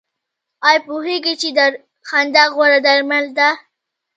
ایا پوهیږئ چې خندا غوره درمل ده؟